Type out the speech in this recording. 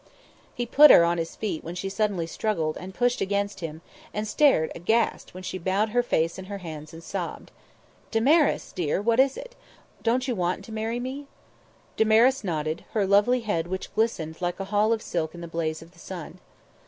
He put her on her feet when she suddenly struggled and pushed against him, and stared aghast when she bowed her face in her hands and sobbed. "Damaris dear what is it? Don't you want to marry me?" Damaris nodded, her lovely head which glistened like a hall of silk in the blaze of the sun.